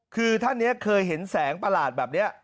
คือท่านนี้เคยเห็นแสงประหลาดแบบนี้